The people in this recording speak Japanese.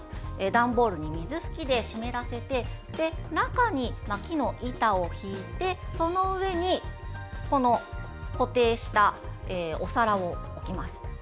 段ボールに水吹きで湿らせて中に、木の板を敷いてその上に固定したお皿を置きます。